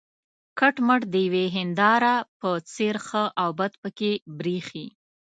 کټ مټ د یوې هینداره په څېر ښه او بد پکې برېښي.